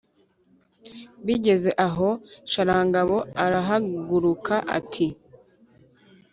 bigeze aho sharangabo arahaguruka, ati: